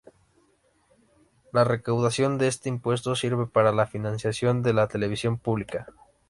La recaudación de este impuesto sirve para la financiación de la televisión pública.